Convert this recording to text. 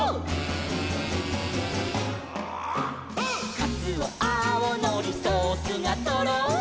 「かつおあおのりソースがとろり」